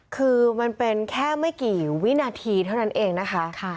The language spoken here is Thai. คือมันเป็นแค่ไม่กี่วินาทีเท่านั้นเองนะคะ